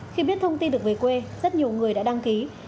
khi biết thông tin được về quê rất nhiều người đã đăng ký